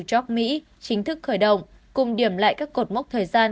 tổng thống mỹ chính thức khởi động cùng điểm lại các cột mốc thời gian